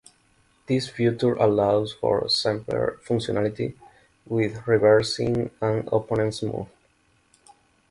This feature allows for simpler functionality with reversing an opponent's move.